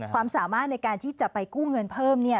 ความสามารถในการที่จะไปกู้เงินเพิ่ม